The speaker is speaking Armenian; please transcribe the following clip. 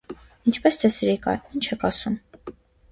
- Ի՞նչպես թե սրիկա, ի՞նչ եք ասում: